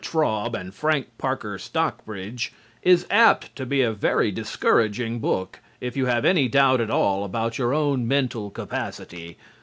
Traube and Frank Parker Stockbridge, is apt to be a very discouraging book if you have any doubt at all about your own mental capacity.